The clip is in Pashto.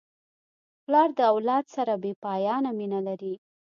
پلار د اولاد سره بېپایانه مینه لري.